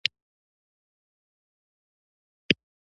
خو په نولسمه پېړۍ کې د ښځو نضهت رامنځته شو .